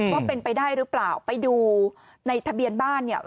ว่าเป็นไปได้หรือเปล่าไปดูในทะเบียนบ้านเนี่ย